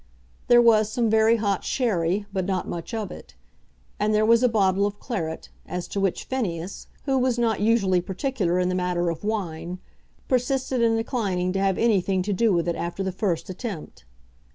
There was some very hot sherry, but not much of it. And there was a bottle of claret, as to which Phineas, who was not usually particular in the matter of wine, persisted in declining to have anything to do with it after the first attempt.